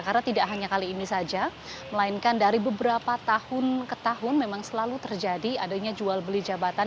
karena tidak hanya kali ini saja melainkan dari beberapa tahun ke tahun memang selalu terjadi adanya jual beli jabatan